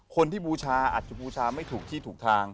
บูชาอาจจะบูชาไม่ถูกที่ถูกทาง